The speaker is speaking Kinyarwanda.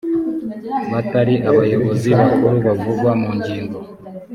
batari abayobozi bakuru bavugwa mu ngingo